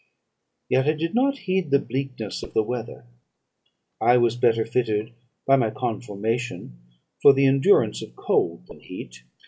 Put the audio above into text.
Yet I did not heed the bleakness of the weather; I was better fitted by my conformation for the endurance of cold than heat.